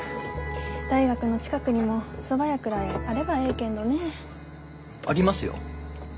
大学の近くにもそば屋くらいあればえいけんどね。ありますよ。